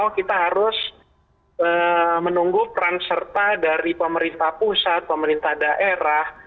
kita harus menunggu peran serta dari pemerintah pusat pemerintah daerah